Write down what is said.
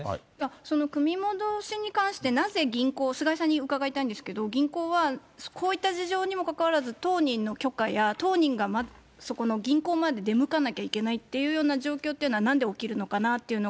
その組み戻しに関して、なぜ銀行、菅井さんに伺いたいんですけれども、銀行はこういった事情にもかかわらず、当人の許可や、当人がそこの銀行に出向かなきゃいけないっていう状況っていうのはなんで起きるのかなと。